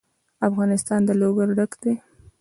افغانستان له لوگر ډک دی.